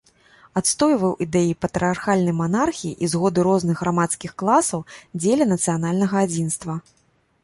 Адстойваў ідэі патрыярхальнай манархіі і згоды розных грамадскіх класаў дзеля нацыянальнага адзінства.